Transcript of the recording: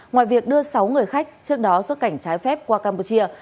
ngoài việc đưa sáu người khách trước đó xuất cảnh trái phép qua campuchia